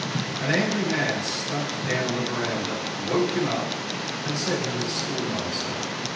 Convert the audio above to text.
An angry man stumped down the veranda, woke him up, and said he was a schoolmaster.